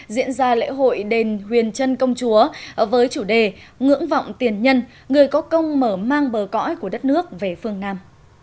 diễn ra lễ hội đền huyền trân công chúa với chủ đề ngưỡng vọng tiền nhân người có công mở mang bờ cõi của đất nước về phương nam